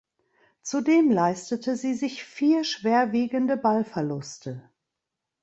Zudem leistete sie sich vier schwerwiegende Ballverluste.